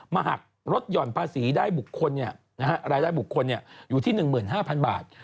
หักลดหย่อนภาษีได้บุคคลรายได้บุคคลอยู่ที่๑๕๐๐๐บาท